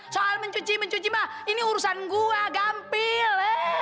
soal mencuci mencuci mah ini urusan gua gampil